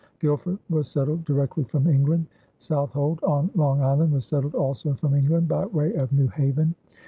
Guilford was settled directly from England. Southold on Long Island was settled also from England, by way of New Haven.